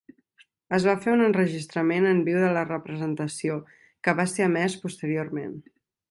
Es va fer un enregistrament en viu de la representació, que va ser emès posteriorment.